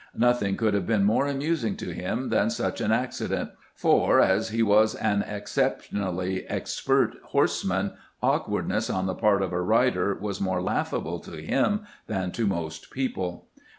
Nothing could have been more amusing to him than such an accident ; for, as he was an exceptionally expert horseman, awkwardness on the part of a rider was more laughable to him than to most people.